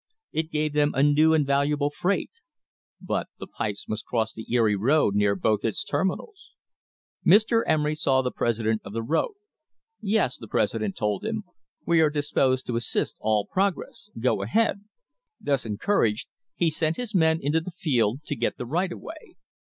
It gave them a new and valuable freight. But the pipes must cross the Erie road near both its ter minals. Mr. Emery saw the president of the road. "Yes," the president told him, "we are disposed to assist all prog ress. Go ahead." Thus encouraged, he sent his men into the field to get the right of way.